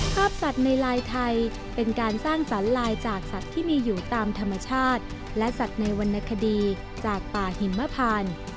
ภาพสัตว์ในลายไทยเป็นการสร้างสรรลายจากสัตว์ที่มีอยู่ตามธรรมชาติและสัตว์ในวรรณคดีจากป่าหิมพาน